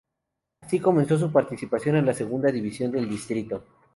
Así comenzó su participación en la segunda división del distrito.